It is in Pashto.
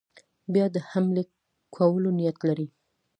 بیا د حملې کولو نیت لري.